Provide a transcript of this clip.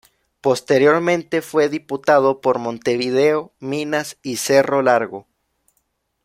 Posteriormente fue Diputado por Montevideo, Minas y Cerro Largo.